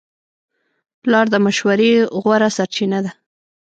پلار د مشورې غوره سرچینه ده.